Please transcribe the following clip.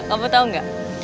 kamu tau gak